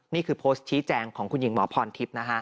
นี่คือโพสต์ชี้แจงของคุณหญิงหมอพรทิพย์นะฮะ